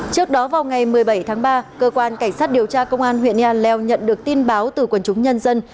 trước đó vào ngày một mươi bảy tháng ba cơ quan cảnh sát điều tra công an huyện ea leo nhận được tin báo từ quần chúng nhân dân